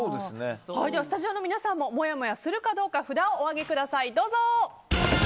スタジオの皆さんももやもやするかどうか札をお上げください。